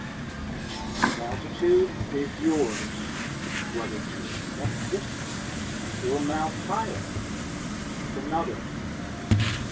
The choice of altitude is yours whether to accept this current or mount higher and go with another.